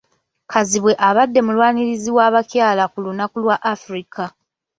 Kazibwe abadde mulwanirizi w'abakyala ku lukalu lwa Africa